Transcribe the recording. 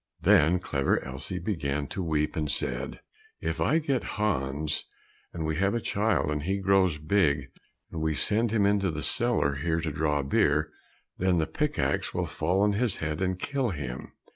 Then Clever Elsie began to weep, and said, "If I get Hans, and we have a child, and he grows big, and we send him into the cellar here to draw beer, then the pick axe will fall on his head and kill him."